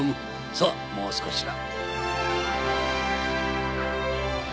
さぁもう少しだ。